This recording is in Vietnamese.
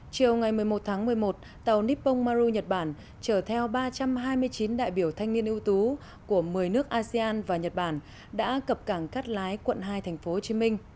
chiều ngày một mươi một tháng một mươi một tàu nippon maru nhật bản chở theo ba trăm hai mươi chín đại biểu thanh niên ưu tú của một mươi nước asean và nhật bản đã cập cảng cát lái quận hai tp hcm